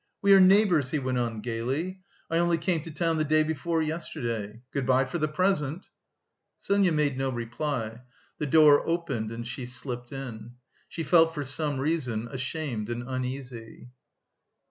"We are neighbours," he went on gaily. "I only came to town the day before yesterday. Good bye for the present." Sonia made no reply; the door opened and she slipped in. She felt for some reason ashamed and uneasy.